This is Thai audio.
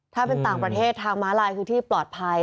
ถ้าเป็นต่างประเทศทางม้าลายคือที่ปลอดภัย